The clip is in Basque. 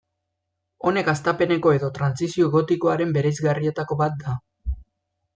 Honek hastapeneko edo trantsizio gotikoaren bereizgarrietako bat da.